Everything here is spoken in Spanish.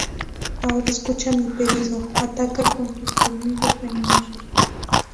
Ahora, escucha mi pedido: ¡Ataca con tus colmillos venenosos!